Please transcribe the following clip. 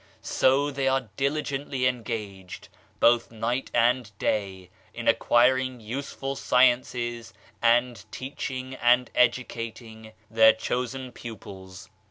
So they are diligently engaged,' both night and day, in acquiring useful sciences and teaching and educat ing their chosen pupils.